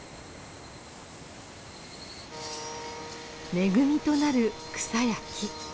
恵みとなる草や木。